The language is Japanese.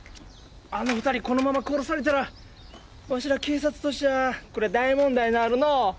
あの２人このまま殺されたらわしら警察としてはこりゃあ大問題になるのぅ。